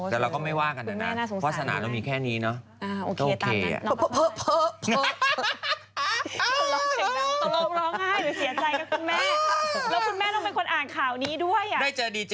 แต่เราก็ไม่ว่ากันนะวาสนาเรามีแค่นี้เนอะ